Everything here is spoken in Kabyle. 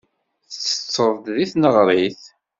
Tettetteḍ-t deg tneɣrit?